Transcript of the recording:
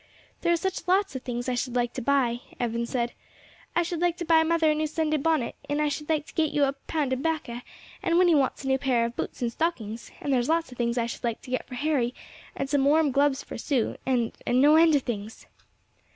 "There are such lots of things I should like to buy," Evan said. "I should like to buy mother a new Sunday bonnet, and I should like to get you a pound of bacca; and Winnie wants a new pair of boots and stockings, and there's lots of things I should like to get for Harry, and some warm gloves for Sue, and and no end of things."